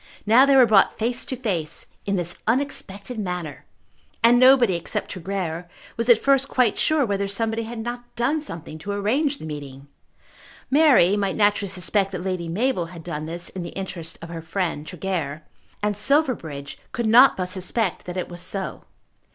Now they were brought face to face in this unexpected manner! And nobody except Tregear was at first quite sure whether somebody had not done something to arrange the meeting. Mary might naturally suspect that Lady Mabel had done this in the interest of her friend Tregear, and Silverbridge could not but suspect that it was so.